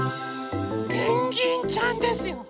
ペンギンちゃんですよ！